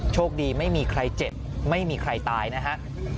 โชคดีไม่มีใครเจ็บไม่มีใครตายนะฮะ